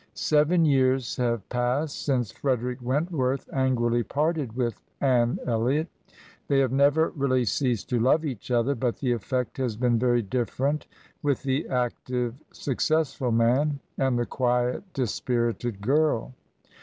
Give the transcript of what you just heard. Seven years have passed since Frederick Wentworth angrily parted with Anne Elliot. They have never really ceased to love each other ; but the effect has been very different with the active, successful man, and the quiet, dispirited girl.